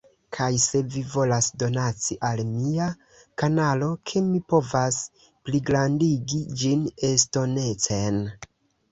Kaj se vi volas donaci al mia kanalo ke mi povas pligrandigi ĝin estonecen